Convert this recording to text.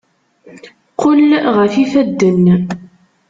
Qqel ɣef yifadden!